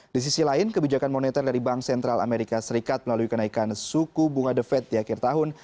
di sisi lain kebijakan moneter dari bank sentral amerika serikat melalui kenaikan suku bunga the fed di akhir tahun